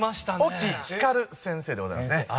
沖ヒカル先生でございますね。